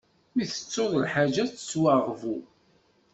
Mi tettuḍ lḥaǧa, ad tettwaɣbu.